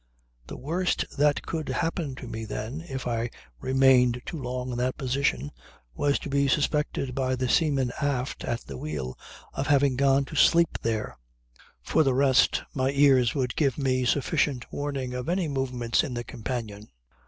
The worst that could happen to me then, if I remained too long in that position, was to be suspected by the seaman aft at the wheel of having gone to sleep there. For the rest my ears would give me sufficient warning of any movements in the companion.